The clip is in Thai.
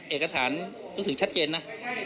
เอกสารรู้สึกชัดเจนนะ